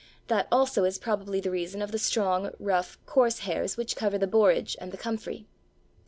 That also is probably the reason of the strong, rough, coarse hairs which cover the Borage and the Comfrey.